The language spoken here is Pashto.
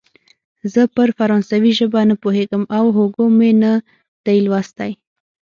زه پر فرانسوي ژبه نه پوهېږم او هوګو مې نه دی لوستی.